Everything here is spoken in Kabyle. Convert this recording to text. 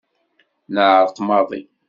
Neεreq maḍi.